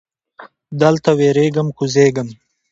دلته ودریږه! کوزیږم.